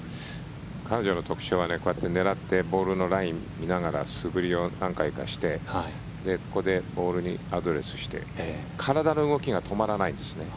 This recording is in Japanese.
彼女の特徴はこうやって狙ってボールのラインを見ながら素振りを何回かしてここでボールにアドレスして体の動きが止まらないんですね。